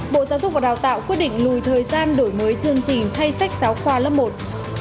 bộ giáo dục và đào tạo quyết định lùi thời gian đổi mới chương trình thay sách giáo khoa lớp một